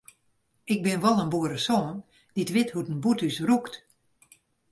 Ik bin wol in boeresoan dy't wit hoe't in bûthús rûkt.